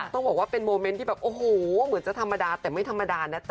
ต้องบอกว่าเป็นโมเมนต์ที่แบบโอ้โหเหมือนจะธรรมดาแต่ไม่ธรรมดานะจ๊